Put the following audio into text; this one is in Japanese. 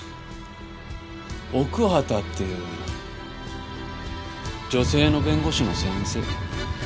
奥畑っていう女性の弁護士の先生。